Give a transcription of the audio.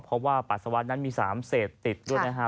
เพราะว่าปัสสาวะนั้นมี๓เศษติดด้วยนะฮะ